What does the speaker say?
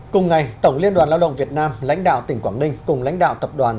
cùng ngày tổng liên đoàn lao động việt nam lãnh đạo tỉnh quảng ninh cùng lãnh đạo tập đoàn